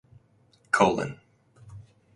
Colon.